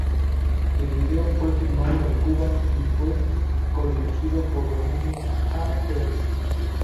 El vídeo fue filmado en Cuba, y fue co-dirigido por los mismos A-Teens.